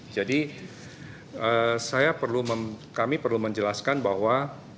jadi saya perlu kami perlu menjelaskan bahwa